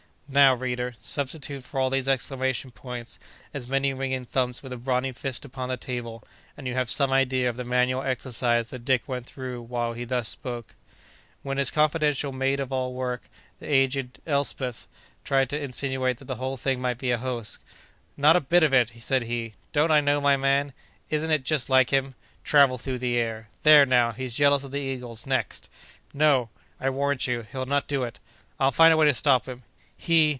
Now, reader, substitute for all these exclamation points, as many ringing thumps with a brawny fist upon the table, and you have some idea of the manual exercise that Dick went through while he thus spoke. When his confidential maid of all work, the aged Elspeth, tried to insinuate that the whole thing might be a hoax— "Not a bit of it!" said he. "Don't I know my man? Isn't it just like him? Travel through the air! There, now, he's jealous of the eagles, next! No! I warrant you, he'll not do it! I'll find a way to stop him! He!